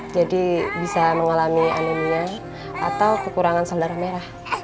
jadi bisa mengalami anemia atau kekurangan saldarah merah